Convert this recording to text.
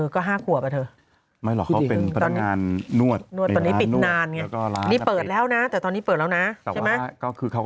ก็๕ขวบไปเถอะเปิดแล้วนะแต่ตอนนี้เปิดแล้วนะก็คือเขา